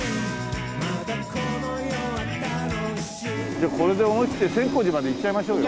じゃあこれで思いきって千光寺まで行っちゃいましょうよ。